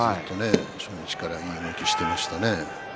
初日からいい動きをしていましたね。